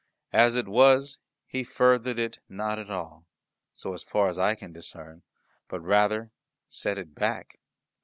As it was, he furthered it not at all, so far as I can discern, but rather set it back.